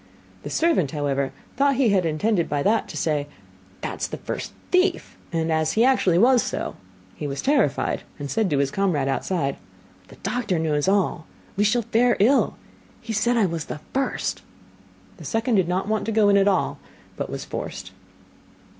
The servant, however, thought he intended by that to say: 'That is the first thief,' and as he actually was so, he was terrified, and said to his comrade outside: 'The doctor knows all: we shall fare ill, he said I was the first.' The second did not want to go in at all, but was forced.